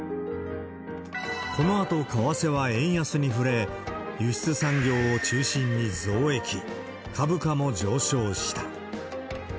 このあと為替は円安に振れ、輸出産業を中心に増益、株価も上昇した。